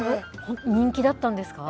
人気だったんですか？